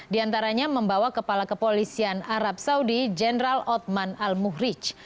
diantaranya membawa kepala kepolisian arab saudi general othman al muhrij